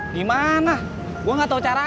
tv nya udah lama